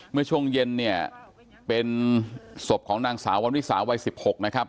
เมื่อช่วงเย็นเนี่ยเป็นศพของนางสาววันวิสาวัย๑๖นะครับ